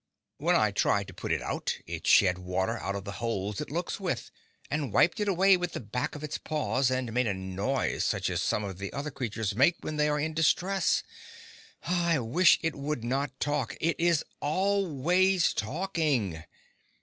When I tried to put it out it shed water out of the holes it looks with, and wiped it away with the back of its paws, and made a noise such as some of the other animals make when they are in distress. I wish it would not talk; it is always talking.